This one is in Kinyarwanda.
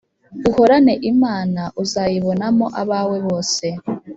uhorane imana uzayibonamo abawe bose